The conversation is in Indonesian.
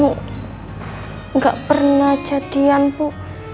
nggak pernah jadian bu